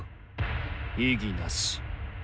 異議なし。